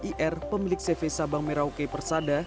ir pemilik cv sabang merauke persada